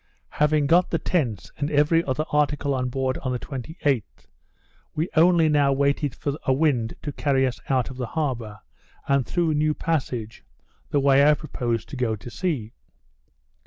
Having got the tents, and every other article on board on the 28th, we only now waited for a wind to carry us out of the harbour, and through New Passage, the way I proposed to go to sea.